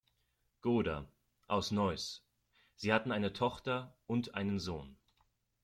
Goder, aus Neuss; sie hatten eine Tochter und einen Sohn.